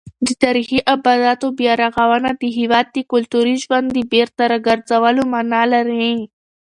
د تاریخي ابداتو بیارغونه د هېواد د کلتوري ژوند د بېرته راګرځولو مانا لري.